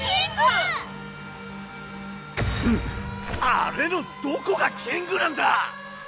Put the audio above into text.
⁉あれのどこがキングなんだ！